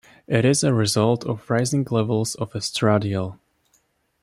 It is a result of rising levels of estradiol.